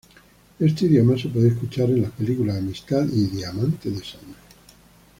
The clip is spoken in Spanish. Este idioma se puede escuchar en las películas "Amistad" y "Diamante de sangre".